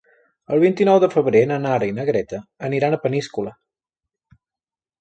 El vint-i-nou de febrer na Nara i na Greta aniran a Peníscola.